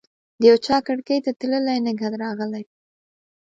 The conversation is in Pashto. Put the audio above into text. د یوچا کړکۍ ته تللي نګهت راغلی